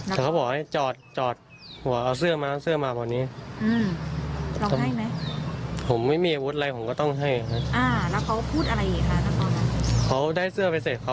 ผมก็บอกนะครับเพราะว่าระวังที่สูงสุดค่ะ